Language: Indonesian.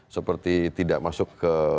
seperti tidak masuk ke